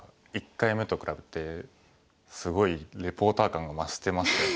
１回目と比べてすごいリポーター感が増してましたよね。